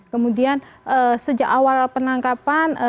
kemudian sejak awal penangkapan